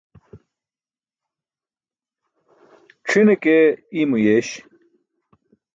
C̣ʰine ke iymo yeeś.